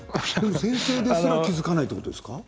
先生ですら気が付かないってことですか。